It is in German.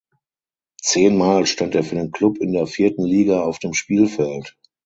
Zehnmal stand er für den Klub in der vierten Liga auf dem Spielfeld.